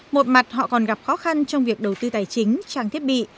một mặt họ còn gặp khó khăn trong việc đầu tư tài chính trang thiết bị